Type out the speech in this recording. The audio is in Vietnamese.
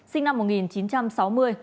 sinh năm một nghìn chín trăm sáu mươi